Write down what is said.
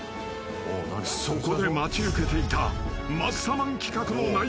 ［そこで待ち受けていた］